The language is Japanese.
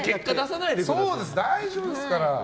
大丈夫ですから。